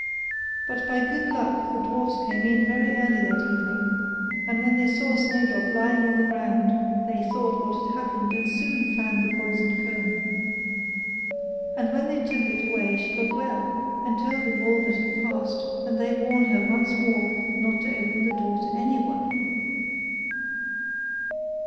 But by good luck the dwarfs came in very early that evening; and when they saw Snowdrop lying on the ground, they thought what had happened, and soon found the poisoned comb. And when they took it away she got well, and told them all that had passed; and they warned her once more not to open the door to anyone.